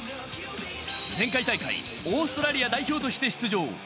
前回大会、オーストラリア代表として出場。